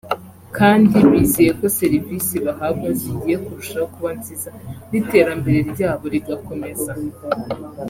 kandi bizeye ko serivisi bahabwa zigiye kurushaho kuba nziza n’iterambere ryabo rigakomeza